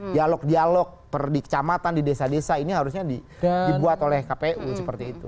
dialog dialog per di kecamatan di desa desa ini harusnya dibuat oleh kpu seperti itu